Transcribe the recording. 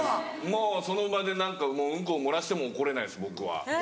もうその場で何かウンコ漏らしても怒れないです僕は。